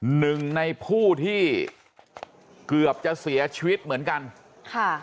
หนึ่งในผู้ที่เกือบจะเสียชีวิตเหมือนกันค่ะ